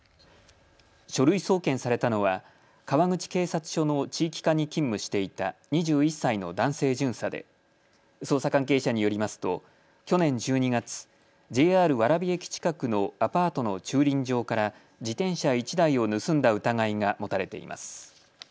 書類送検されたのは川口警察署の地域課に勤務していた２１歳の男性巡査で捜査関係者によりますと去年１２月、ＪＲ蕨駅近くのアパートの駐輪場から自転車１台を盗んだ疑いが持たれています。